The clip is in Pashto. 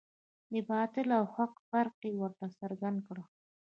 د باطل او د حق فرق یې ورته څرګند کړ.